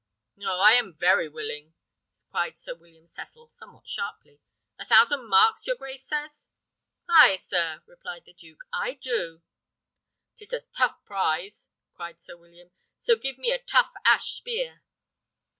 "Oh! I am very willing!" cried Sir William Cecil, somewhat sharply. "A thousand marks, your grace says?" "Ay, sir," replied the duke, "I do." "'Tis a tough prize!" cried Sir William; "so give me a tough ash spear."